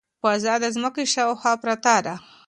فضا د ځمکې شاوخوا پرته ده.